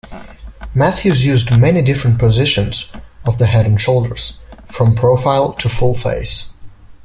Matthews used many different positions of the head and shoulders, from profile to full-face.